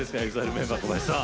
メンバー小林さん。